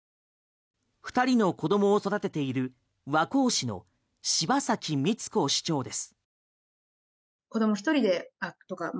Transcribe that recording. ２人の子供を育てている和光市の柴崎光子市長です。